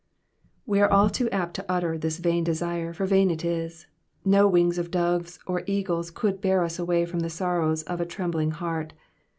We are all too apt to utter this vain desire, for vain it is ; no wings of doves or eagles could bear us away from the sorrows of a trembling heart.